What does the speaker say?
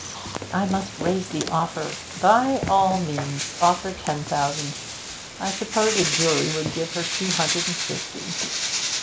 'I must raise the offer ' 'By all means; offer ten thousand. I suppose a jury would give her two hundred and fifty.'